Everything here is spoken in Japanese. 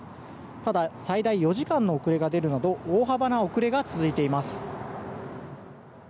ただ最大４時間の遅れが出るなど大幅な遅れが続いています。